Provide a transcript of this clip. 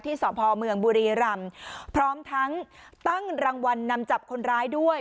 สพเมืองบุรีรำพร้อมทั้งตั้งรางวัลนำจับคนร้ายด้วย